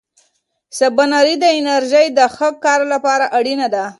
سباناري د انرژۍ د ښه کار لپاره اړینه ده.